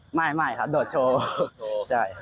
หรอไม่ไม่ค่ะโดดโชว์โดดโชว์ใช่ค่ะ